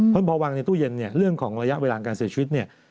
เพราะพอวางในตู้เย็นเรื่องของระยะเวลาการเสียชีวิต